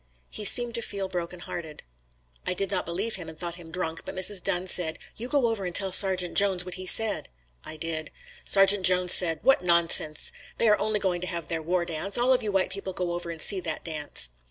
He seemed to feel broken hearted. I did not believe him and thought him drunk, but Mrs. Dunn said "You go over and tell Sergeant Jones what he said." I did. Sergeant Jones said, "What nonsense! They are only going to have their war dance. All of you white people go over and see that dance."